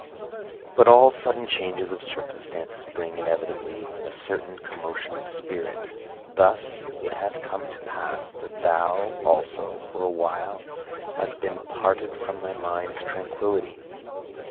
But all sudden changes of circumstances bring inevitably a certain commotion of spirit. Thus it hath come to pass that thou also for awhile hast been parted from thy mind's tranquillity.